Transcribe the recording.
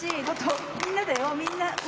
本当みんなだよみんな。